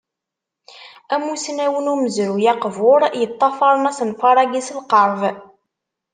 Amusnaw n umezruy aqbur yeṭṭafaṛen asenfar-agi s lqerb.